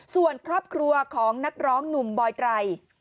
ส่วนครอบครัวของนักร้องหนุ่มบอยไตร